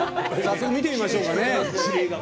見てみましょうかね。